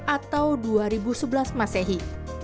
atau dua ribu sebelas masehi